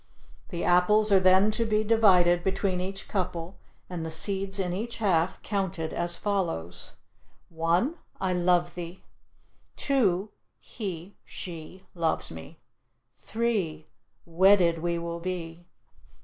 The apples are then to be divided between each couple and the seeds in each half, counted as follows: One I love thee. Two he (she) loves me. Three Wedded we will be.